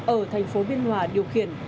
ở thành phố biên hòa điều khiển